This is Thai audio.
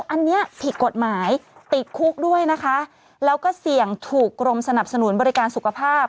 อันนี้ผิดกฎหมายติดคุกด้วยนะคะแล้วก็เสี่ยงถูกกรมสนับสนุนบริการสุขภาพ